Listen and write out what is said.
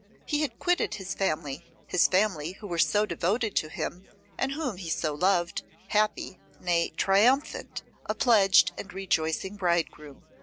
He had quitted his family, his family who were so devoted to him, and whom he so loved, happy, nay, triumphant, a pledged and rejoicing bridegroom.